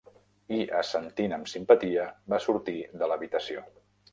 I, assentint amb simpatia, va sortir de l'habitació.